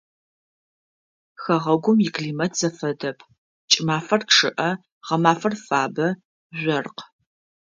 Хэгъэгум иклимат зэфэдэп: кӏымафэр чъыӏэ, гъэмафэр фабэ, жъоркъ.